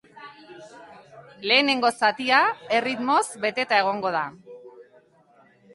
Lehenengo zatia erritmoz beteta egon da.